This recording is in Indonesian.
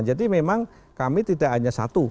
jadi memang kami tidak hanya satu